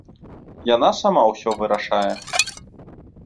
Яна сама ўсё вырашае.